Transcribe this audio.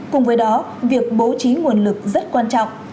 cùng với đó việc bố trí nguồn lực rất quan trọng